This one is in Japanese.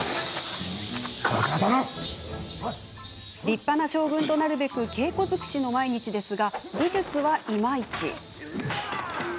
立派な将軍となるべく稽古尽くしの毎日ですが武術は、いまいち。